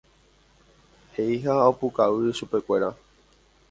he'i ha opukavy chupekuéra.